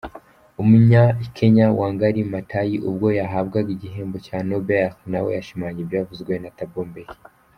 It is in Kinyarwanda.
Umunyakenya Wangari Maathai, ubwo yahabwaga igihembo cya Nobel nawe yashimangiye ibyavuzwe na Thabo Mbeki.